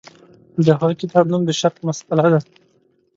د هغه کتاب نوم د شرق مسأله ده.